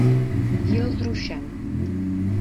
Díl zrušen